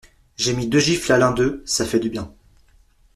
J'ai mis deux gifles à l'un deux, ça fait du bien.